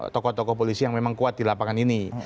tokoh tokoh polisi yang memang kuat di lapangan ini